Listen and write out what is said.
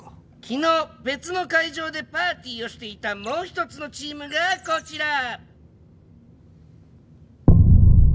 昨日別の会場でパーティーをしていたもう一つのチームがこちら。